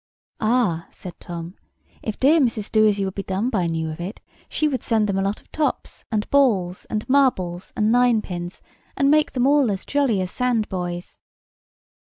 "Ah!" said Tom, "if dear Mrs. Doasyouwouldbedoneby knew of it she would send them a lot of tops, and balls, and marbles, and ninepins, and make them all as jolly as sand boys."